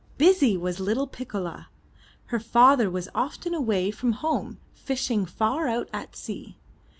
Busy was little Piccola! Her father was often away from home fishing far out at sea.